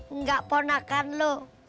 enggak ponakan lu